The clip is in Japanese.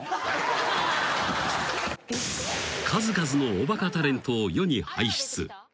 ［数々のおバカタレントを世に輩出］